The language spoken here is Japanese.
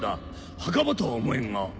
墓場とは思えんが。